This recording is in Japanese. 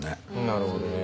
なるほどね。